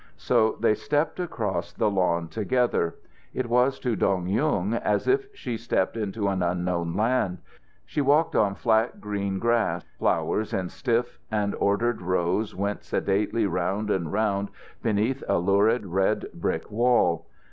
So they stepped across the lawn together. It was to Dong Yung as if she stepped into an unknown land. She walked on flat green grass. Flowers in stiff and ordered rows went sedately round and round beneath a lurid red brick wall.